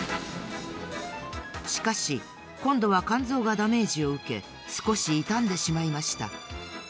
しかしこんどは肝臓がダメージをうけすこしいたんでしまいました。